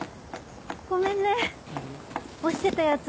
ごめんね落ちてたやつ